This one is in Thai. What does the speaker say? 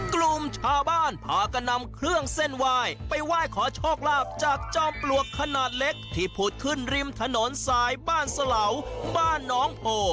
กลุ่มชาวบ้านพากันนำเครื่องเส้นไหว้ไปไหว้ขอโชคลาภจากจอมปลวกขนาดเล็กที่ผุดขึ้นริมถนนสายบ้านสลาวบ้านน้องโพ